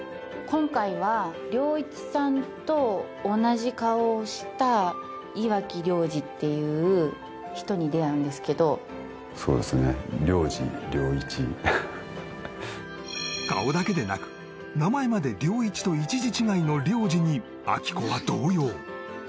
今回は良一さんと同じ顔をした岩城良治っていう人に出会うんですけどそうですね良治良一顔だけでなく名前まで良一と一字違いの良治に亜希子は動揺